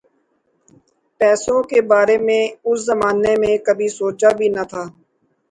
پیسوں کے بارے میں اس زمانے میں کبھی سوچا بھی نہ تھا۔